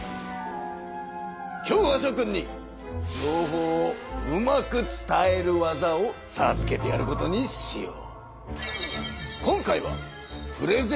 今日はしょ君に情報をうまく伝える技をさずけてやることにしよう。